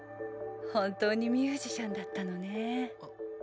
本当にミュージシャンだったのねぇ。